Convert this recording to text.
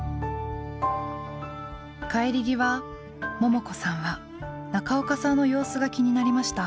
帰り際ももこさんは中岡さんの様子が気になりました。